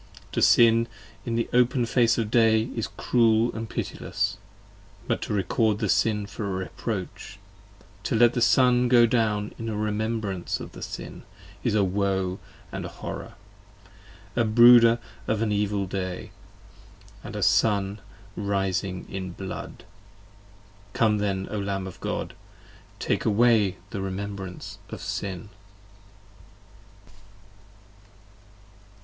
To Sin in the open face of day is cruel & pitiless! But To record the Sin for a reproach: to let the Sun go down In a remembrance of the Sin; is a Woe & a Horror, A brooder of an Evil Day, and a Sun rising in blood! 30 Come then, O Lamb of God, and take away the remembrance of Sin.